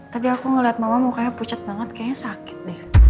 tadi aku ngeliat mama mukanya pucat banget kayaknya sakit deh